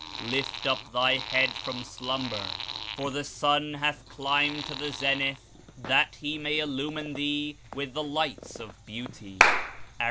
Lift up thy head from slumber, for the Sun has climbed to the zenith, that He may illumiui' thee ivith the Lights of Beauty J' (A.